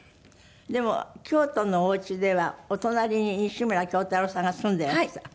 でも京都のお家ではお隣に西村京太郎さんが住んでいらした。